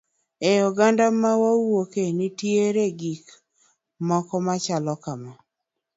E oganda ma wawuoke nitie gik moko machalo kama.